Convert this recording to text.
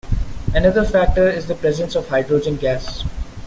Another factor is the presence of hydrogen gas.